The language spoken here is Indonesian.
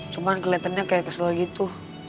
cuman kelihatannya kayak kesel gitu